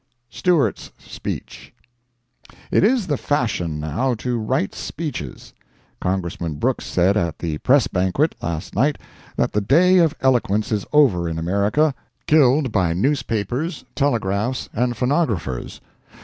STEWART'S SPEECH. It is the fashion, now, to write speeches. Congressman Brooks said at the Press Banquet, last night, that the day of eloquence is over in America—killed by newspapers, telegraphs, and phonographers.